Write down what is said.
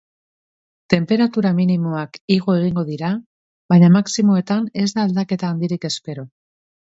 Tenperatura minimoak igo egingo dira baina maximoetan ez da aldaketa handirik espero.